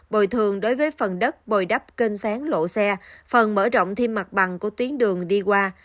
bồi thường đối với phần đất bồi đắp kênh sáng lộ xe phần mở rộng thêm mặt bằng của tuyến đường đi qua